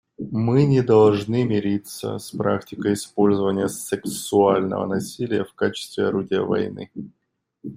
Мы не должны мириться с практикой использования сексуального насилия в качестве орудия войны.